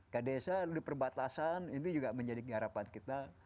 ke desa diperbatasan itu juga menjadi keharapan kita